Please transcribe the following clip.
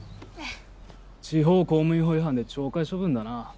地方公務員法違反で懲戒処分だな。